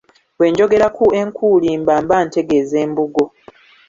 Bwe njogera ku enkulimba mba ntegeeza Embugo.